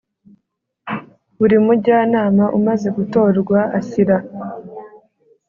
Buri Mujyanama umaze gutorwa ashyira